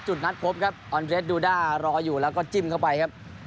จุดนัดพบครับรออยู่แล้วก็จิ้มเข้าไปครับ